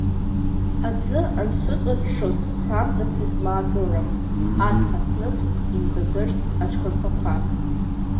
Аӡы ансыҵаҽҽоз самҵасит маакырак, ацҳа снықәст имҵадырст ацәқәырԥақәа.